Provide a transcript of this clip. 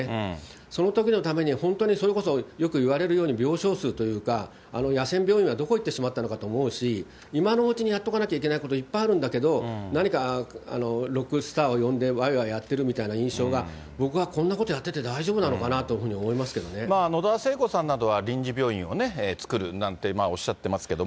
そのときのために、本当にそれこそよく言われるように、病床数というか、野戦病院はどこに行ってしまうのかと思うし、今のうちにやっとかなきゃいけないこといっぱいあるんだけど、何か、ロックスターを呼んでわいわいやってるみたいな印象が、僕はこんなことやってて、大丈夫なのかなとい野田聖子さんなどは、臨時病院をね、作るなんておっしゃってますけれども。